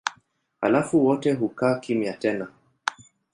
Halafu wote hukaa kimya tena.